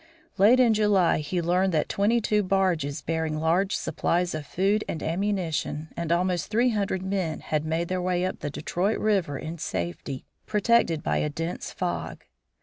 Late in July he learned that twenty two barges bearing large supplies of food and ammunition and almost three hundred men had made their way up the Detroit River in safety, protected by a dense fog.